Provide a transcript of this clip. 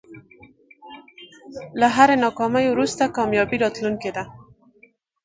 له هری ناکامۍ وروسته کامیابي راتلونکی ده.